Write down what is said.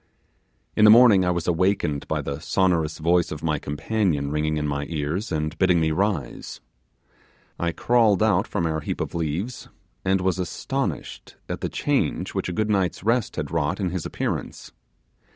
In the morning I was awakened by the sonorous voice of my companion ringing in my ears and bidding me rise. I crawled out from our heap of leaves, and was astonished at the change which a good night's rest had wrought in his appearance.